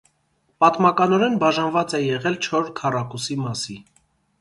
Պատմականորեն բաժանված է եղել չոր քառակուսի մասի։